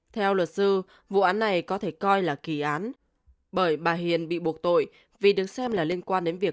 theo luật sư vụ án này có thể coi là kỳ án bởi bà hiền bị buộc tội vì được xem là liên quan đến việc